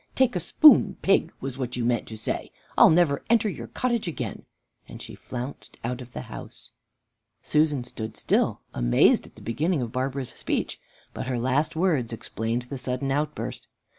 'Take a spoon, pig!' was what you meant to say! I'll never enter your cottage again!" And she flounced out of the house. Susan stood still, amazed at the beginning of Barbara's speech, but her last words explained the sudden outburst.